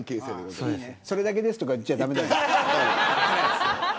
それだけですとか言っちゃ駄目だよ。